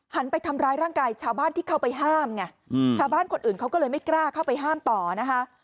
ไปทำร้ายร่างกายชาวบ้านที่เข้าไปห้ามไงชาวบ้านคนอื่นเขาก็เลยไม่กล้าเข้าไปห้ามต่อนะคะ